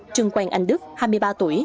trương quang anh đức hai mươi ba tuổi